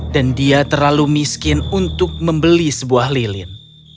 dan dia terlalu miskin untuk membeli sebuah lilin